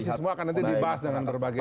itu semua akan nanti dibahas dengan berbagai